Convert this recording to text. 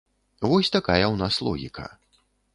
Вось такая ў нас логіка.